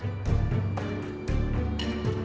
เฮ้ยช่วยเปิดซักที